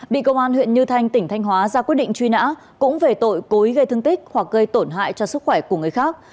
bị công an huyện như thanh tỉnh thanh hóa ra quyết định truy nã cũng về tội cối gây thương tích hoặc gây tổn hại cho sức khỏe của người khác